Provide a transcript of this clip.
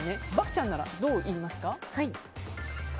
獏ちゃんならどう言いますか？